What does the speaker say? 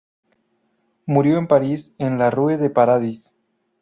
Murió en París, en la Rue de Paradis.